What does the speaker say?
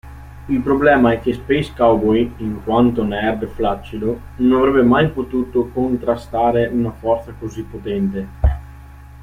Il problema è che Space Cowboy, in quanto nerd flaccido, non avrebbe mai potuto contrastare una forza così potente.